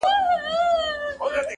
عزراییل به یې پر کور باندي مېلمه سي!